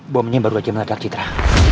bawahnya baru aja meledak cidra